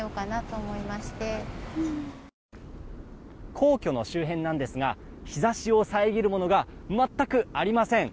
皇居の周辺なんですが日差しを遮るものが全くありません。